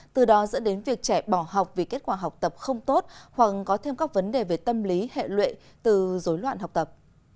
từ đó dẫn đến việc trẻ bỏ học vì kết quả học tập không tốt hoặc có thêm các vấn đề về tâm lý hệ lụy từ dối loạn học tập